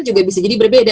juga bisa jadi berbeda